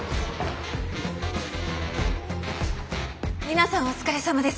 皆さんお疲れさまです。